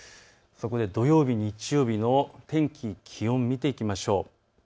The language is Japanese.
土曜日、日曜日の天気、気温を見ていきましょう。